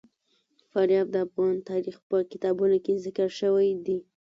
فاریاب د افغان تاریخ په کتابونو کې ذکر شوی دي.